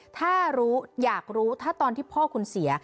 ถ้ารู้อยากรู้ถ้าตอนที่พ่อคุณเสีย